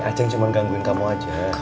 aceh cuma gangguin kamu aja